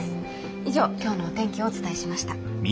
以上今日のお天気をお伝えしました。